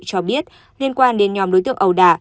cho biết liên quan đến nhóm đối tượng ẩu đả